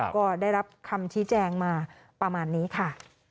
ก็ได้รับคำชี้แจงมาประมาณนี้ค่ะ